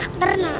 nggak ada apa apa